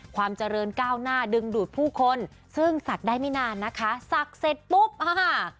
ความเจริญก้าวหน้าดึงดูดผู้คนซึ่งศักดิ์ได้ไม่นานนะคะศักดิ์เสร็จปุ๊บค่ะ